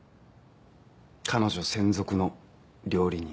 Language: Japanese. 彼女専属の料理人。